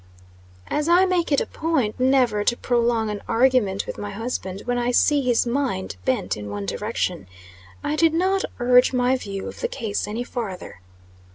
As I make it a point never to prolong an argument with my husband, when I see his mind bent in one direction, I did not urge my view of the case any farther.